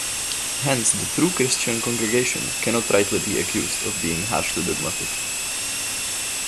Hence, the true Christian congregation cannot rightly be accused of being harshly dogmatic.